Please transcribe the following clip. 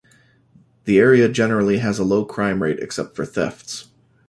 The area generally has a low crime rate except for thefts.